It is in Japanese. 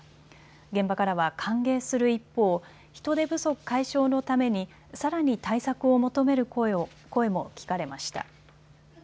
現場からは歓迎する一方、人手不足解消のためにさらに対策を求める声も聞かれました。